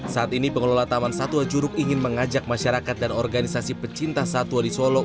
saat ini pengelola taman satwa juruk ingin mengajak masyarakat dan organisasi pecinta satwa di solo